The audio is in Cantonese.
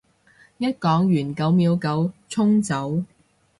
一講完九秒九衝走